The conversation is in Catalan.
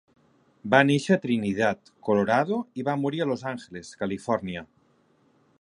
Va néixer a Trinidad, Colorado i va morir a Los Angeles, Califòrnia.